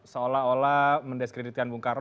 seolah olah mendiskreditkan bung karno